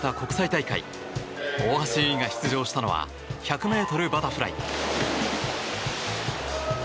大橋悠依が出場したのは１００ｍバタフライ。